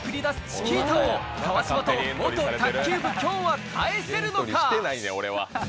チキータを川島と卓球部・きょんは返せるのか？